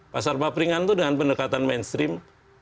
pasar papringan itu dengan pendekatan mainstream